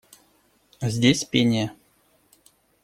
Здесь пение.